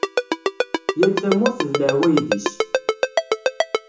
Yal tamurt d leεwayed-is.